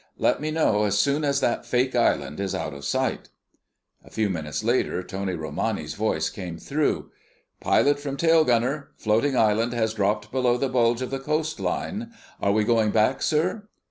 "Let me know as soon as that fake island is out of sight." A few minutes later Tony Romani's voice came through. "Pilot from tail gunner: Floating island has dropped below the bulge of the coastline.... Are we going back, sir?"